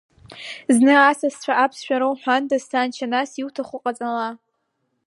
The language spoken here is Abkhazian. Зны асасцәа аԥсшәа роуҳәандаз, саншьа, нас, иаауҭаху ҟаҵала.